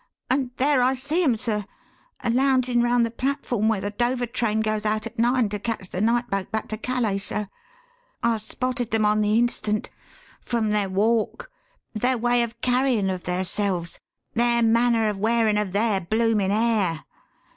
And there I see 'em, sir, a loungin' round the platform where the Dover train goes out at nine to catch the night boat back to Calais, sir. I spotted 'em on the instant from their walk, their way of carryin' of theirselves, their manner of wearin' of their bloomin' hair.